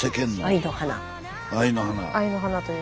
「愛の花」という。